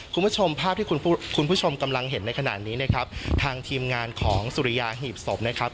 คุณผู้ชมภาพที่คุณผู้ชมกำลังเห็นในขณะนี้นะครับทางทีมงานของสุริยาหีบศพนะครับ